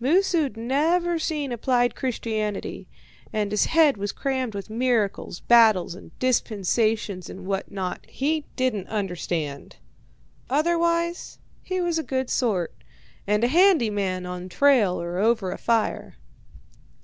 Moosu'd never seen applied Christianity, and his head was crammed with miracles, battles, and dispensations, and what not he didn't understand. Otherwise he was a good sort, and a handy man on trail or over a fire.